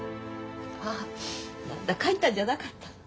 あっ何だ帰ったんじゃなかったの。